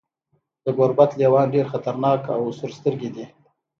د ګوربت لیوان ډیر خطرناک او سورسترګي دي.